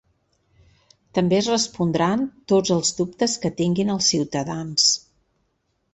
També es respondran tots els dubtes que tinguin els ciutadans.